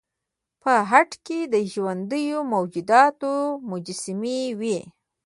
په هډه کې د ژوندیو موجوداتو مجسمې وې